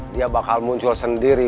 dia bakal muncul sendiri